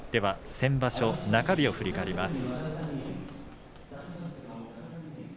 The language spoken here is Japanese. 先場所中日を振り返ります。